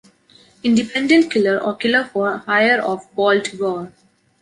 Independent killer or killer for hire of Paul Tabor.